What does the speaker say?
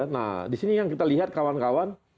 nah di sini yang kita lihat kawan kawan